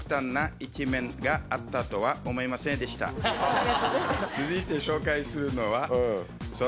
ありがとうございます。